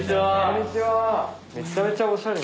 めちゃめちゃおしゃれ。